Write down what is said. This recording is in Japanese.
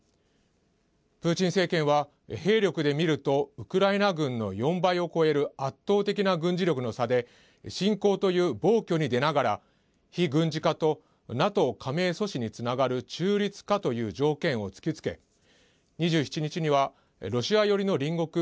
プーチン政権は兵力で見るとウクライナ軍の４倍を超える圧倒的な軍事力の差で侵攻という暴挙に出ながら非軍事化とＮＡＴＯ加盟阻止につながる中立化という条件を突きつけ２７日にはロシア寄りの隣国